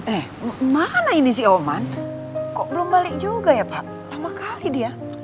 eh mana ini sih oman kok belum balik juga ya pak lama kali dia